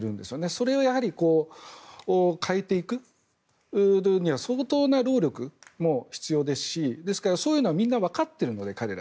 それをやはり変えていくには相当な労力が必要ですしですから、そういうのはみんなわかっているので。